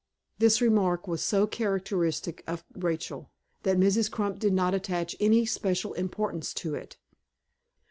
This remark was so characteristic of Rachel, that Mrs. Crump did not attach any special importance to it.